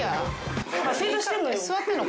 座ってんの？